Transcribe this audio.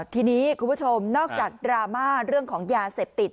ทีนี้คุณผู้ชมนอกจากดราม่าเรื่องของยาเสพติด